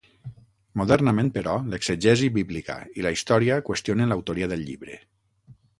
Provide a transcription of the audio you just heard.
Modernament, però, l'exegesi bíblica i la història qüestionen l'autoria del llibre.